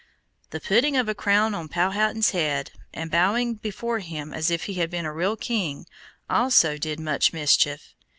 The putting of a crown on Powhatan's head, and bowing before him as if he had been a real king, also did much mischief.